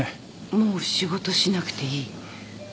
「もう仕事しなくていい」？